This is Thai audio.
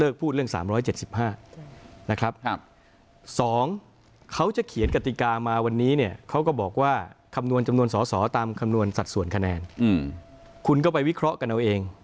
คุณก็ไปวิเคราะห์กันเอาเอง